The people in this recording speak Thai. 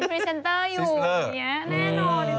มาซื้อมาให้มาซื้อเราด้วย